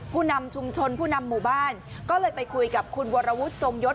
ผู้นำชุมชนผู้นำหมู่บ้านก็เลยไปคุยกับคุณวรวุฒิทรงยศ